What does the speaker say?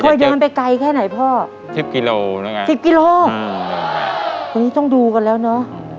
ค่อยเดินไปไกลแค่ไหนพ่อสิบกิโลสิบกิโลอือต้องดูกันแล้วเนอะ